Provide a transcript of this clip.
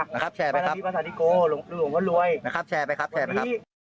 นะครับแชร์ไปครับนะครับแชร์ไปครับแชร์ไปครับ